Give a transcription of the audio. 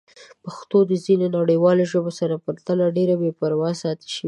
پښتو د ځینو نړیوالو ژبو سره پرتله ډېره بې پروا پاتې شوې ده.